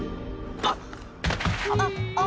あっ、あっ。